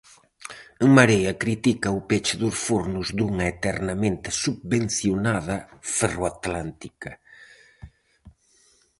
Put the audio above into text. En Marea critica o peche dos fornos dunha eternamente subvencionada Ferroatlántica.